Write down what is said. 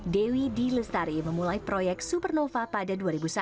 dewi d lestari memulai proyek supernova pada dua ribu satu